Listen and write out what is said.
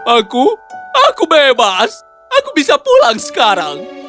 aku aku bebas aku bisa pulang sekarang